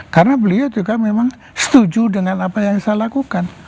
karena beliau juga memang setuju dengan apa yang saya lakukan